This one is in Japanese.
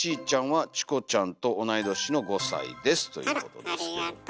あらありがと。